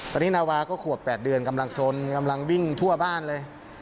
ตอนนี้นาวาก็ขวบ๘เดือนกำลังสนกำลังวิ่งทั่วบ้านเลย